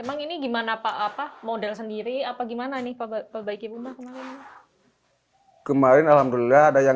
emang ini gimana pak apa model sendiri apa gimana nih kemarin alhamdulillah ada yang